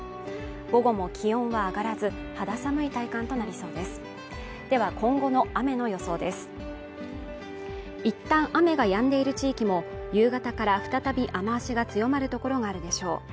午後も気温は上がらず肌寒い体感となりそうですでは今後の雨の予想ですいったん雨がやんでいる地域も夕方から再び雨足が強まるところがあるでしょう